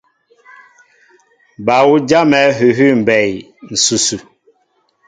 Ba' ú jámɛ hʉhʉ́ mbɛɛ ǹsʉsʉ.